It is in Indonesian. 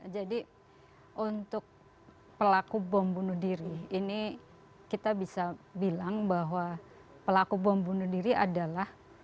jadi untuk pelaku bom bunuh diri ini kita bisa bilang bahwa pelaku bom bunuh diri adalah